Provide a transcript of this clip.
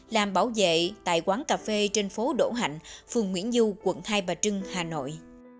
làm bảo vệ tại quán cà phê trên phố đổ hạnh phường nguyễn du quận hai bà trưng hà nội